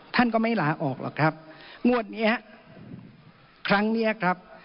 ท่านก็ไม่ลาออกหรอกครับงวดเนี้ยครั้งเนี้ยครับ